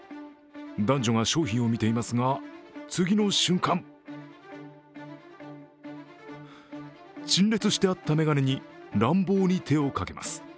男女が商品を見ていますが次の瞬間陳列してあった眼鏡に乱暴に手をかけます。